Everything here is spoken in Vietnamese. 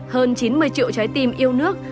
hơn chín mươi triệu trái tim yêu nước